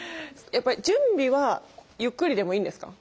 準備はゆっくりでもいいんですか？